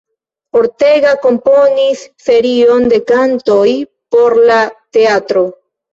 Ortega komponis serion de kantoj por la teatro.